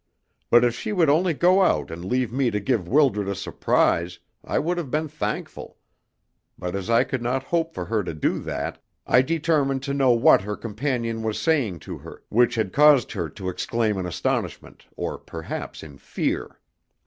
If she would only go out and leave me to give Wildred a surprise I would have been thankful; but as I could not hope for her to do that, I determined to know what her companion was saying to her, which had caused her to exclaim in astonishment or perhaps in fear.